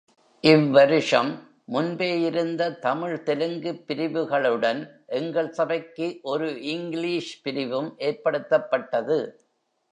இவ் வருஷம், முன்பே இருந்த தமிழ் தெலுங்குப் பிரிவுகளுடன் எங்கள் சபைக்கு ஒரு இங்கிலீஷ் பிரிவும் ஏற்படுத்தப்பட்டது.